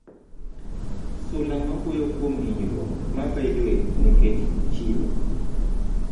Sula mawuoyo kuom hinyruok mabedoe nikech chilo.